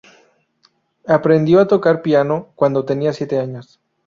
Aprendió a tocar el piano cuando tenía siete años.